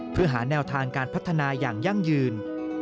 เพื่อหาแนวทางการพัฒนาอย่างยั่งยืน